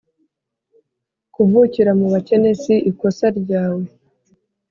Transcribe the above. kuvukira mu bakene si ikosa ryawe